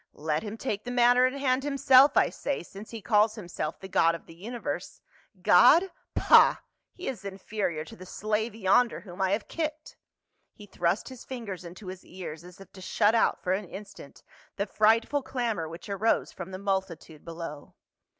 Let him take the matter in hand himself, I say, since he calls him self the god of the universe. God ? Pah ! He is inferior to the slave yonder whom I have kicked." He thrust his fingers into his ears as if to shut out for an instant the frightful clamor which arose from the multitude below.